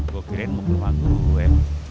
gue kira ini mau ke rumah gue